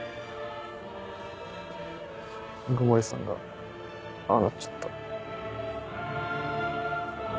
鵜久森さんがああなっちゃった。